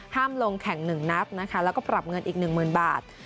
ห้ามลงแข่ง๑นับแล้วก็ปรับเงินอีก๑๐๐๐๐บาท